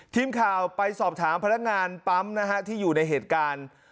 ทีมข่าวไปสอบถามพนักงานปั๊มนะฮะที่อยู่ในเหตุการณ์